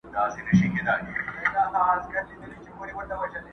جام دي کم ساقي دي کمه بنګ دي کم؛